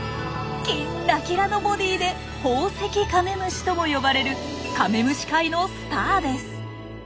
キッラキラのボディーで宝石カメムシとも呼ばれるカメムシ界のスターです。